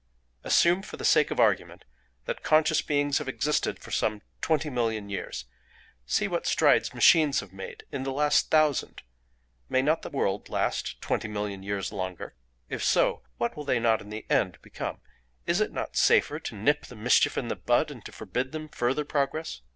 Assume for the sake of argument that conscious beings have existed for some twenty million years: see what strides machines have made in the last thousand! May not the world last twenty million years longer? If so, what will they not in the end become? Is it not safer to nip the mischief in the bud and to forbid them further progress?